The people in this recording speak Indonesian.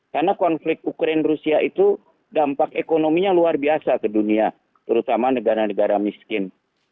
karena konflik ukraine rusia itu dampak ekonominya luar biasa ke dunia terutama negara negara miskin